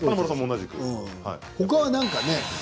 ほかは、なんかね。